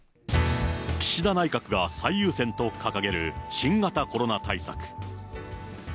岸田内閣が最優先と掲げる新型コロナ対策。